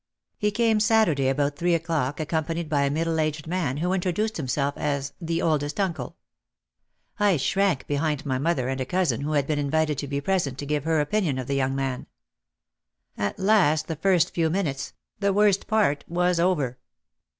He came Saturday about three o'clock accompanied by a middle aged man who introduced himself as "the oldest uncle." I shrank behind my mother and a cousin who had been invited to be present to give her opinion of the young man. At last the first few minutes, the worst part, was over.